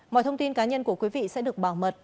mọi thông tin cá nhân của quý vị sẽ được bảo mật